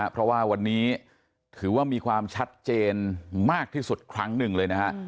เพราะว่าวันนี้ถือว่ามีความชัดเจนมากที่สุดครั้งหนึ่งเลยนะฮะ